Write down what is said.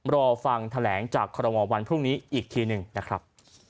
รอฟังแถลงจากคอรมอลวันพรุ่งนี้อีกทีหนึ่งนะครับ